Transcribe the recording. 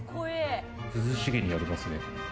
涼しげにやりますね。